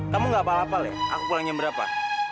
kamu gak apal apal ya aku pulangnya berapa